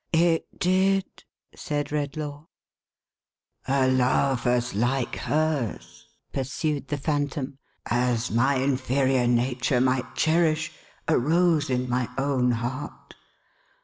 1' " It did," said Redlaw. "A love, as like hers,11 pursued the Phantom, "as my inferior nature might cherish, arose in my own heart.